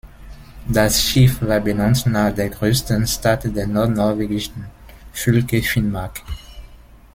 Das Schiff war benannt nach der größten Stadt der nordnorwegischen Fylke Finnmark.